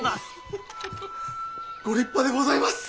ご立派でございます！